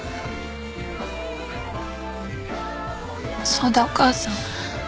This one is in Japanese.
そうだお母さん。